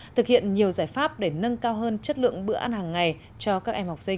thực hiện nhiều giải pháp để nâng cao hơn chất lượng bữa ăn hàng ngày cho các em học sinh